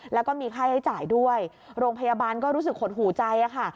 แล้วก็มีค่าใช้จ่ายด้วยโรงพยาบาลก็รู้สึกหดหูใจค่ะ